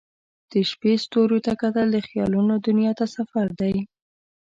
د شپې ستوریو ته کتل د خیالونو دنیا ته سفر دی.